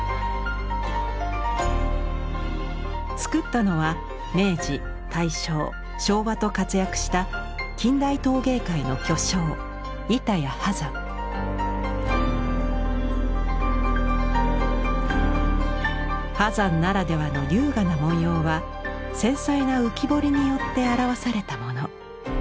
作ったのは明治大正昭和と活躍した近代陶芸界の巨匠波山ならではの優雅な文様は繊細な浮き彫りによって表されたもの。